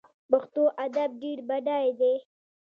پښتو ادب ډیر بډای دی